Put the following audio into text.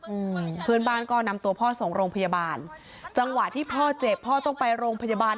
อืมเพื่อนบ้านก็นำตัวพ่อส่งโรงพยาบาลจังหวะที่พ่อเจ็บพ่อต้องไปโรงพยาบาล